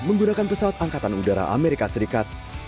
menggunakan pesawat angkatan udara amerika serikat